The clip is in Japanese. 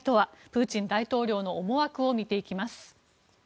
プーチン大統領の思惑を見ていきます。